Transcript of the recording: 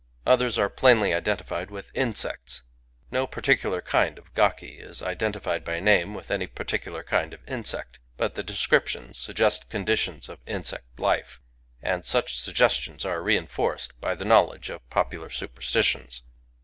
Others are plainly identified with insects. No j)articular kind of gaki is identi fiedjby name with any ^grti.cylar kind of insect; but the descriptions suggest conditions of insect life; and such suggestions are reenforced by a knowledge of popular superstitions.